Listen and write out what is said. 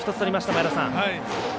前田さん。